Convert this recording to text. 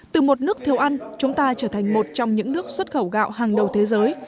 từ một nước thiếu ăn chúng ta trở thành một trong những nước xuất khẩu gạo hàng đầu thế giới